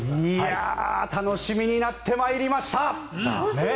楽しみになってまいりました！